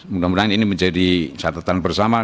mudah mudahan ini menjadi catatan bersama